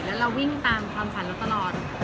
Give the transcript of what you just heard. แล้วเราวิ่งตามความฝันเราตลอด